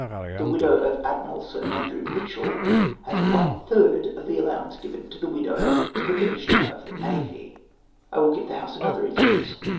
The Avidow of Admiral Sir Andrew Mitchell has one third of the allowance given to the widow of a Commissioner of the Navy I " r will give the House another instance.